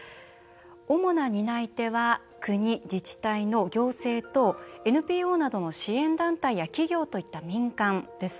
主な担い手は国・自治体の行政とＮＰＯなどの支援団体や企業といった民間です。